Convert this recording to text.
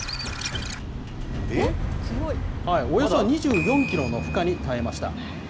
およそ２４キロの負荷に耐えました。